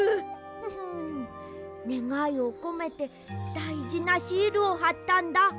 フフンねがいをこめてだいじなシールをはったんだ。